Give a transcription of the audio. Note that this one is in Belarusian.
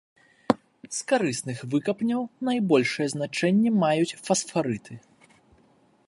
З карысных выкапняў найбольшае значэнне маюць фасфарыты.